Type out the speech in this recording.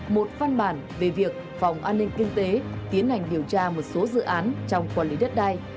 một văn bản về việc phòng an ninh kinh tế tiến hành điều tra một số dự án trong quản lý đất đai